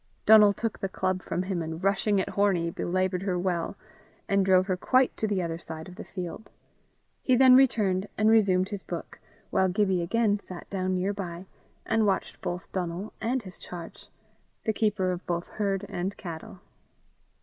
Donal took the club from him, and rushing at Hornie, belaboured her well, and drove her quite to the other side of the field. He then returned and resumed his book, while Gibbie again sat down near by, and watched both Donal and his charge the keeper of both herd and cattle.